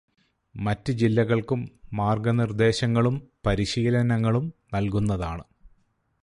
മറ്റ് ജില്ലകള്ക്കും മാര്ഗനിര്ദേശങ്ങളും പരിശീലനങ്ങളും നല്കുന്നതാണ്.